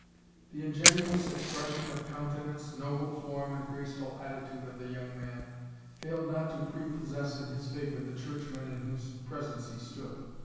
The ingenuous expression of countenance, noble form, and graceful attitude of the young man, failed not to prepossess in his favor the churchmen in whose presence he stood.